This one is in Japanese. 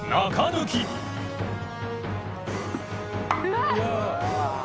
うわっ！